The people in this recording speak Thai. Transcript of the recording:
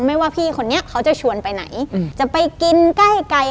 ไม่ว่าพี่คนนี้เขาจะชวนไปไหนจะไปกินใกล้ไก่